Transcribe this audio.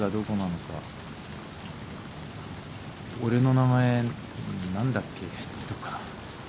俺の名前何だっけ？とか。